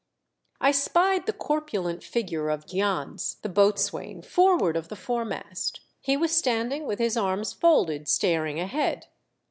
I spied the corpulent figure of Jans, the l3(f)atswain, forward of the foremast. He was stan ^i^g with his arms folded, staring ahead.